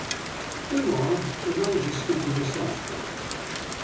Meantime the Ranger stood to the southward.